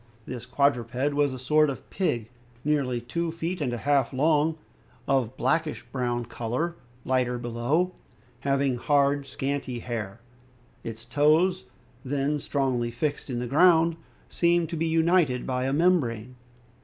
This quadruped was a sort of pig nearly two feet and a half long, of a blackish brown color, lighter below, having hard scanty hair; its toes, then strongly fixed in the ground, seemed to be united by a membrane.